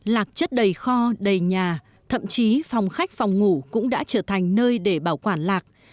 lạc chất đầy kho đầy nhà thậm chí phòng khách phòng ngủ cũng đã trở thành nơi để bảo quản lạc